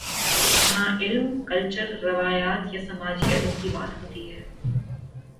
جہاں علم، کلچر، روایت یا سماجی علوم کی بات ہوتی ہے۔